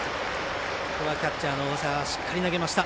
キャッチャーの大澤しっかり投げました。